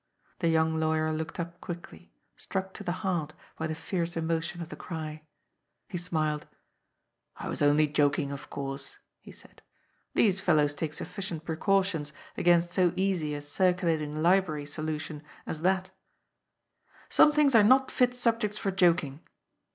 The young lawyer looked up quickly, struck to the heart by the fierce emotion of the cry. He smiled. " I was only joking, of course," he said. " These fellows take sufficient precautions against so easy a ^ circulating library ' solution as that" " Some things are not fit subjects for joking."